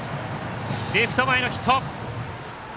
レフト前のヒット。